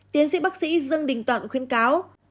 tiến sĩ bác sĩ dương đình toạn khuyên cáo